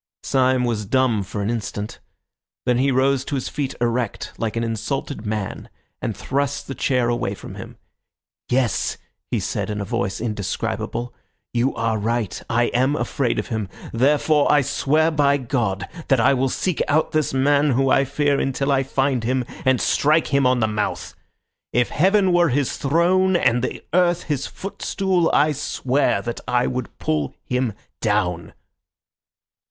Syme was dumb for an instant. Then he rose to his feet erect, like an insulted man, and thrust the chair away from him. "Yes," he said in a voice indescribable, "you are right. I am afraid of him. Therefore I swear by God that I will seek out this man whom I fear until I find him, and strike him on the mouth. If heaven were his throne and the earth his footstool, I swear that I would pull him down."